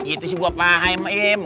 itu sih gue paham im